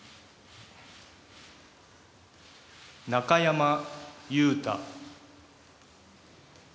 中山雄太。